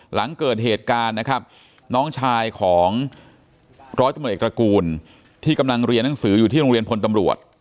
หลังเกิดเหตุการณ์นะครับน้องชายของร้อยตำรวจเอกตระกูลที่กำลังเรียนหนังสืออยู่ที่โรงเรียนพลตำรวจ